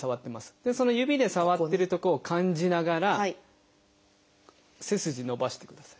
その指で触ってるとこを感じながら背筋伸ばしてください。